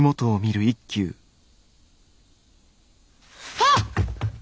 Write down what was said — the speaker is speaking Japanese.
あっ！